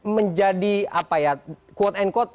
menjadi apa ya quote unquote